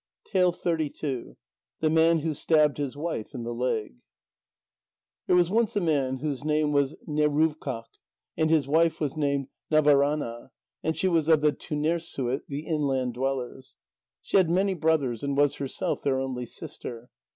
THE MAN WHO STABBED HIS WIFE IN THE LEG There was once a man whose name was Neruvkâq, and his wife was named Navaránâ, and she was of the tunerssuit, the inland dwellers. She had many brothers, and was herself their only sister.